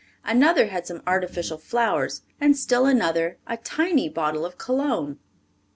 Another had some artificial flowers, and still another a tiny bottle of cologne.